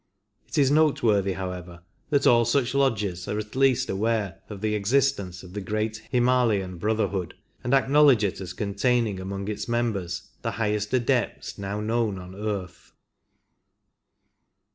It is noteworthy, however, that all such lodges are at least aware of the existence of the great Himalayan Brother hood, and acknowledge it as containing among its members the highest Adepts now known on earth.